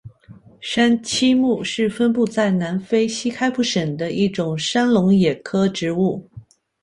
山栖木是分布在南非西开普省的一种山龙眼科植物。